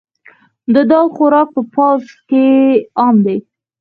د دال خوراک په پوځ کې عام دی.